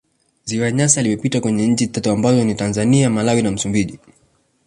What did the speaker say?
ziwa nyasa limepita kwenye nchi tatu ambazo ni tanzania malawi na msumbiji